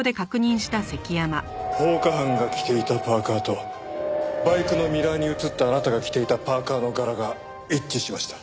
放火犯が着ていたパーカとバイクのミラーに映ったあなたが着ていたパーカの柄が一致しました。